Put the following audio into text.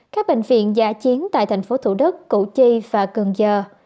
các bệnh viện giả chiến tại thành phố thủ đức củ chi và cần giờ